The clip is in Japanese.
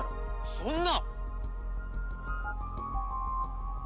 そんな！